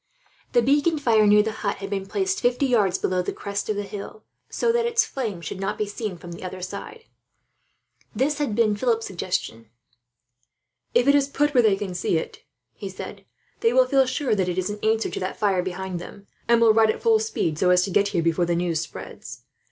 The beacon fire near the hut had been placed fifty yards below the crest of the hill, so that its flame should not be seen from the other side. This had been at Philip's suggestion. "If it is put where they can see it," he said, "they will feel sure that it is in answer to that fire behind them, and will ride at full speed, so as to get here before the news spreads.